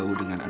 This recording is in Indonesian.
ini tehnya pak